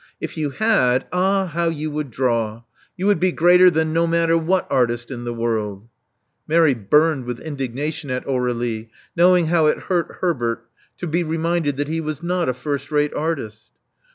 If you had, ah, how you would draw! You would be greater than no matter what artist in the world. Mary burned with indignation at Aur61ie, knowing how it hurt Herbert to be reminded that he was not a first rate artist.